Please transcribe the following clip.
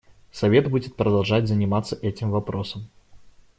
Совет будет продолжать заниматься этим вопросом.